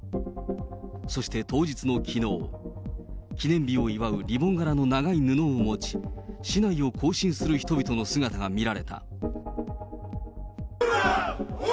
そして当日のきのう、記念日を祝うリボン柄の長い布を持ち、市内を行進する人々の姿が見られた。